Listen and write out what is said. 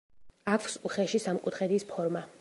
აქვს უხეში სამკუთხედის ფორმა.